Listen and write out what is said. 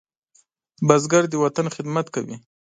بزګر د وطن خدمت کوي